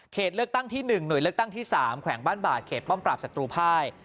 เลือกตั้งที่๑หน่วยเลือกตั้งที่๓แขวงบ้านบาดเขตป้อมปราบศัตรูภาย